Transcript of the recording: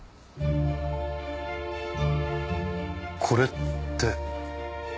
これって。